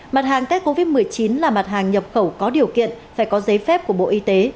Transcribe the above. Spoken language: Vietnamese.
mặt hàng tết covid một mươi chín là mặt hàng nhập khẩu có điều kiện phải có giấy phép của bộ y tế